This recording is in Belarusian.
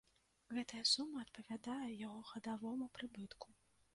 Гэтая сума адпавядае яго гадавому прыбытку.